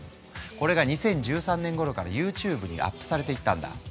これが２０１３年ごろからＹｏｕＴｕｂｅにアップされていったんだ。